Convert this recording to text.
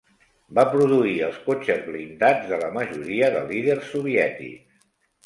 Va produir els cotxes blindats de la majoria de líders soviètics.